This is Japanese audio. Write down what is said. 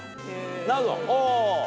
なるほどお。